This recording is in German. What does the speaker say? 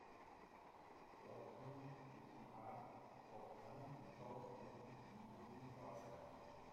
Dort findet sich die Art auf Sand- und Torfböden in niedrigem Grasland.